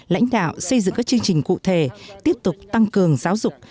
lãnh đạo xây dựng các chương trình cụ thể tiếp tục tăng cường giáo dục